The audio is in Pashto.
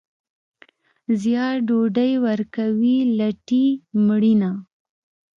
زیار ډوډۍ ورکوي، لټي مړینه.